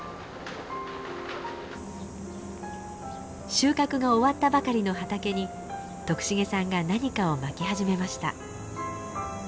収穫が終わったばかりの畑に徳重さんが何かをまき始めました。